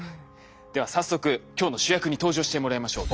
では早速今日の主役に登場してもらいましょう。